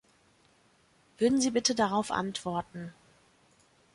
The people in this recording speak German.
Würden Sie bitte darauf antworten.